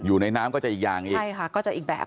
อยู่ในน้ำก็จะอีกอย่างอีกใช่ค่ะก็จะอีกแบบ